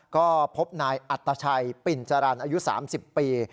ก็พบนายอัตชัยปิ่นจรรย์อายุ๓๐ปี